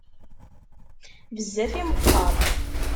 Bezzaf i meqqer.